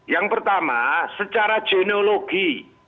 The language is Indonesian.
yang pertama secara genealogi